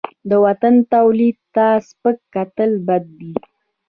د وطن تولید ته سپک کتل بد دي.